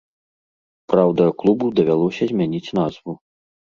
Праўда, клубу давялося змяніць назву.